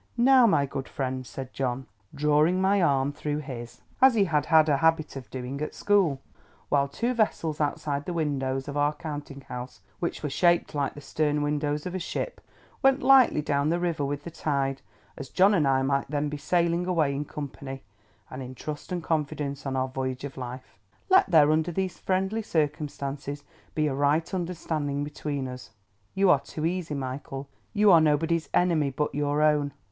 "Now, my good friend," said John, drawing my arm through his, as he had had a habit of doing at school; while two vessels outside the windows of our counting house—which were shaped like the stern windows of a ship—went lightly down the river with the tide, as John and I might then be sailing away in company, and in trust and confidence, on our voyage of life; "let there, under these friendly circumstances, be a right understanding between us. You are too easy, Michael. You are nobody's enemy but your own.